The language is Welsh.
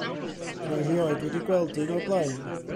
'Di o rioed wedi gweld un o'r blaen.